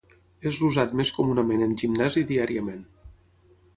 És l'usat més comunament en gimnàs i diàriament.